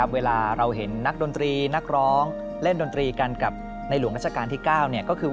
เวลาเราเห็นนักดนตรีนักร้องเล่นดนตรีกันกับในหลวงราชการที่๙ก็คือ